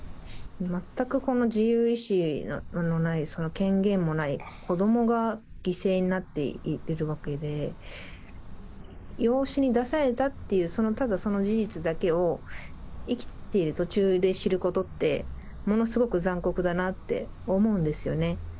全く自由意思のない、権限もない子どもが犠牲になっているわけで、養子に出されたっていう、ただその事実だけを、生きている途中で知ることって、ものすごく残酷だなって思うんですよね。